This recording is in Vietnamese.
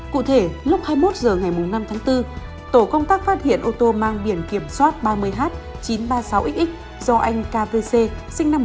cụ thể lúc hai mươi một h ngày năm tháng bốn tổ công tác phát hiện ô tô mang biển kiểm soát ba mươi h chín trăm ba mươi sáu xx do anh kv c sinh năm một nghìn chín trăm tám mươi